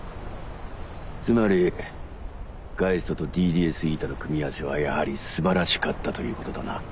つまりガイストとＤＤＳηの組み合わせはやはり素晴らしかったということだな。